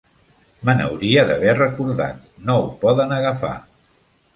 Me n'hauria d'haver recordat, no ho poden agafar.